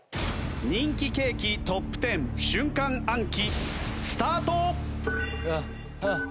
人気ケーキトップ１０瞬間暗記スタート！